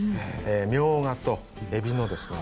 みょうがとえびのですね